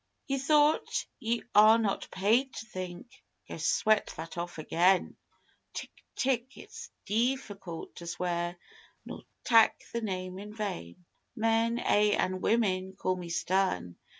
Ye thought? Ye are not paid to think. Go, sweat that off again!_ Tck! Tck! It's deeficult to sweer nor tak' The Name in vain! Men, ay an' women, call me stern.